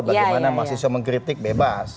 bagaimana mahasiswa mengkritik bebas